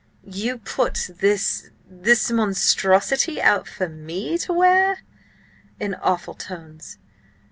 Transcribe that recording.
"You put this–this monstrosity–out for me to wear?" in awful tones.